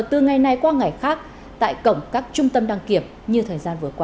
từ ngày này qua ngày khác tại cổng các trung tâm đăng kiểm như thời gian vừa qua